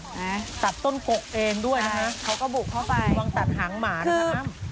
ดีจะดูความรวมตัดขังหมาน่ะค่ะ